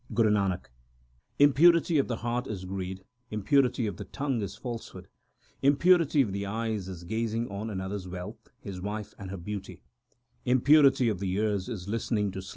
3 Guru Nanak Impurity of the heart is greed, impurity of the tongue is falsehood ; Impurity of the eyes is gazing on another s wealth, his wife, and her beauty ; Impurity of the ears is listening to slander.